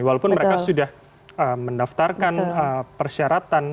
walaupun mereka sudah mendaftarkan persyaratan